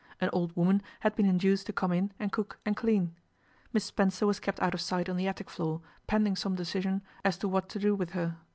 An old woman had been induced to come in and cook and clean. Miss Spencer was kept out of sight on the attic floor, pending some decision as to what to do with her.